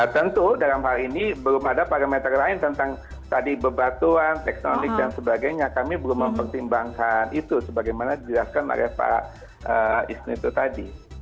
tentu dalam hal ini belum ada parameter lain tentang tadi bebatuan tektonik dan sebagainya kami belum mempertimbangkan itu sebagaimana dijelaskan oleh pak isnu tadi